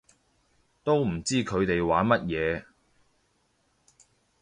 都唔知佢哋玩乜嘢